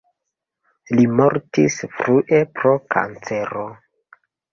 Li mortis frue pro kancero.